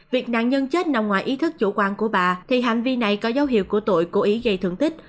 việc nạn nhân chết nằm ngoài ý thức chủ quan của bà thì hành vi này có dấu hiệu của tội cố ý gây thưởng tích